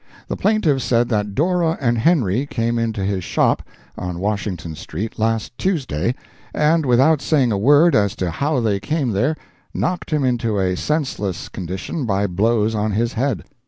The plaintiff said that Dora and Henry came into his shop, on Washington street, last Tuesday, and, without saying a word as to how they came there, knocked him into a senseless condition by blows on his head.